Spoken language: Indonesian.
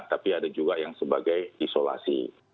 tapi ada juga yang sebagai isolasi